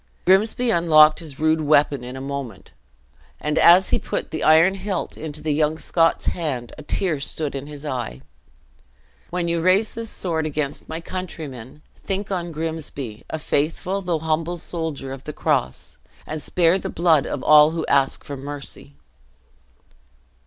Grimsby unlocked his rude weapon in a moment, and as he put the iron hilt into the young Scot's hand, a tear stood in his eye: "When you raise this sword against my countrymen, think on Grimsby, a faithful, though humble soldier of the cross, and spare the blood of all who ask for mercy."